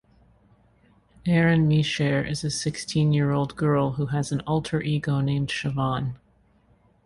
Erin Mishare is a sixteen-year-old girl who has an alter-ego named Shevaun.